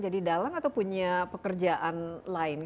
jadi dalang atau punya pekerjaan lain